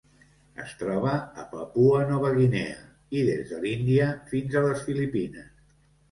Es troba a Papua Nova Guinea i des de l'Índia fins a les Filipines.